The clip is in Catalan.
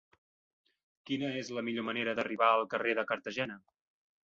Quina és la millor manera d'arribar al carrer de Cartagena?